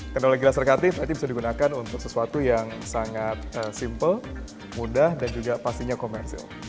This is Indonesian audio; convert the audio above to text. karena lagi laser cutting nanti bisa digunakan untuk sesuatu yang sangat simple mudah dan juga pastinya komersil